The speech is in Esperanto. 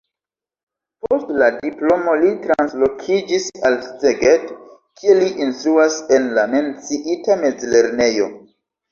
Post la diplomo li translokiĝis al Szeged, kie li instruas en la menciita mezlernejo.